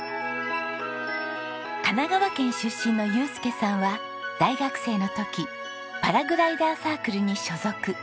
神奈川県出身の祐介さんは大学生の時パラグライダーサークルに所属。